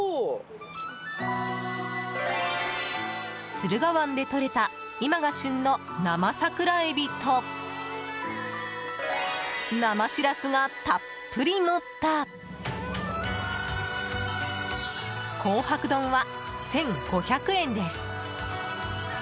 駿河湾でとれた今が旬の生桜エビと生シラスがたっぷりのった紅白丼は、１５００円です。